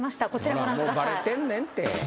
もうバレてんねんて。